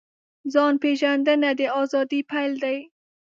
ځان پېژندنه د ازادۍ پیل دی.